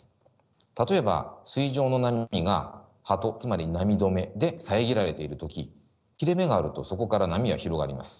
例えば水上の波が波止つまり波止めで遮られている時切れ目があるとそこから波は広がります。